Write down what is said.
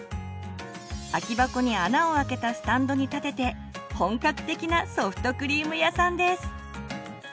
空き箱に穴をあけたスタンドに立てて本格的なソフトクリーム屋さんです！